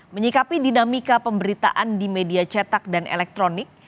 menyikapi dinamika pemberitaan di media cetak dan elektronik